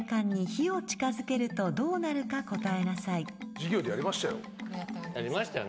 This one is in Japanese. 授業でやりましたよ。